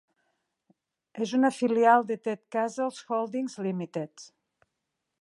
És una filial de Tedcastles Holdings Limited.